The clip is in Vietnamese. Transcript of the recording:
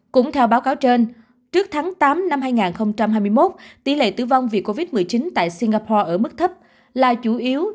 cũng theo báo cáo trên trước tháng tám năm hai nghìn hai mươi một tỷ lệ tử vong vì covid một mươi chín tại singapore ở mức thấp là chủ yếu